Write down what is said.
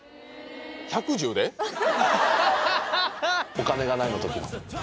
『お金がない！』のときの。